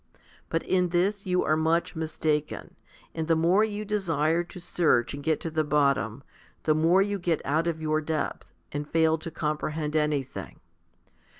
But in this you are much mistaken; and the more you desire to search and get to the bottom, the more you get out of your depth, and fail to compre hend anything.